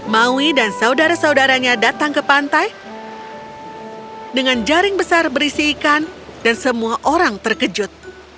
maui dan saudara saudaranya datang ke pantai dengan jaring besar berisi ikan dan semua orang terkejut